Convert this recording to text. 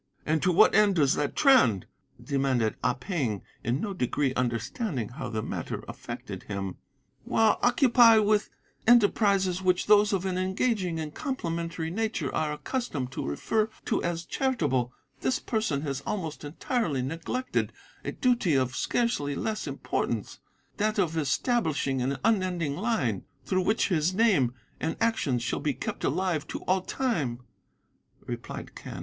"'And to what end does that trend?' demanded Ah Ping, in no degree understanding how the matter affected him. "'While occupied with enterprises which those of an engaging and complimentary nature are accustomed to refer to as charitable, this person has almost entirely neglected a duty of scarcely less importance that of establishing an unending line, through which his name and actions shall be kept alive to all time,' replied Quen.